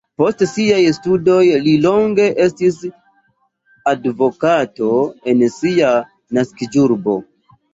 Post siaj studoj li longe estis advokato en sia naskiĝurbo.